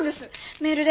メールで。